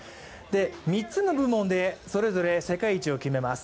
３つの部門で、それぞれ世界一を決めます。